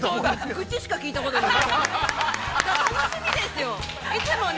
◆愚痴しか聞いたことがない。